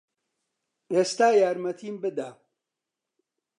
ئێستا یارمەتیم بدە.